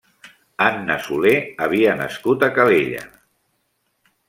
Anna Soler havia nascut a Calella.